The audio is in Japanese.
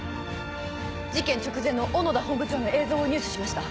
事件直前の小野田本部長の映像を入手しました。